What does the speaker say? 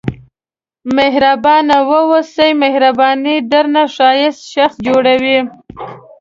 مهربانه واوسئ مهرباني درنه ښایسته شخص جوړوي.